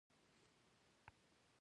آیا دوی د اقتصاد او ټولنې په اړه نه دي؟